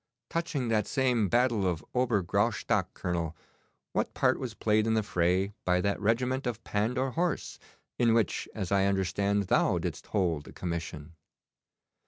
Touching that same battle of Ober Graustock, Colonel, what part was played in the fray by that regiment of Pandour horse, in which, as I understand, thou didst hold a commission?